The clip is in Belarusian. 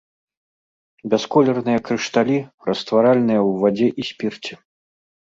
Бясколерныя крышталі, растваральныя ў вадзе і спірце.